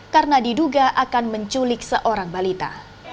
karena diduga akan menculik seorang balita